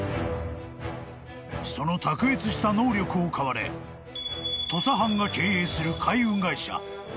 ［その卓越した能力を買われ土佐藩が経営する］